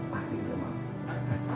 pasti ingin memahami